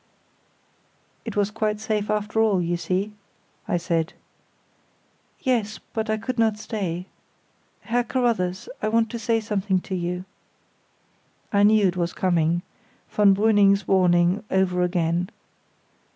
"It was quite safe after all, you see," I said. "Yes, but I could not stay. Herr Carruthers, I want to say something to you." (I knew it was coming; von Brüning's warning over again.)